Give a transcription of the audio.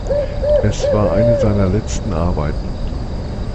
Es war eine seiner letzten Arbeiten.